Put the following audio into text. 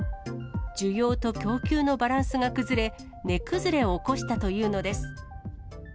需要と供給のバランスが崩れ、値崩れを起こしたというのです。